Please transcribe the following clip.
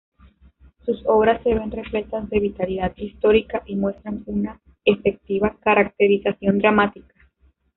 Sus obras se ven repletas de vitalidad histórica y muestran una efectiva caracterización dramática.